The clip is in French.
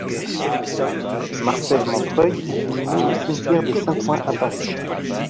Marcel Montreuil est inhumé au cimetière de Saint-Ouen à Paris.